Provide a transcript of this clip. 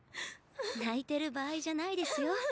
泣いてる場合じゃないですよ。